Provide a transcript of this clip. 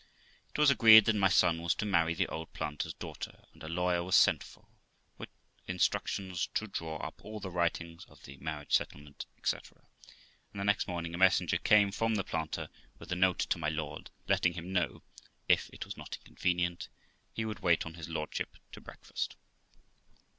It was agreed that my son was to marry the old planter's daughter, and a lawyer was sent for, with instructions to draw up all the writings for the marriage settlement, etc., and the next morning a messenger came from the planter with a note to my lord, letting him know, if it was not inconvenient, he would wait on his lordship to breakfast.